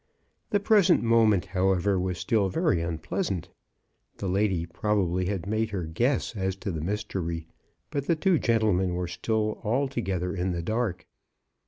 The present moment, however, was still very un pleasant. The lady probably had made her guess as to the mystery, but the two gentlemen were still altogether in the dark.